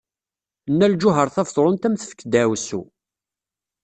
Nna Lǧuheṛ Tabetṛunt ad am-tefk ddeɛwessu.